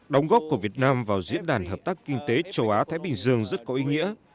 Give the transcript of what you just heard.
đóng góp của việt nam vào diễn đàn hợp tác kinh tế châu á thái bình dương rất có ý nghĩa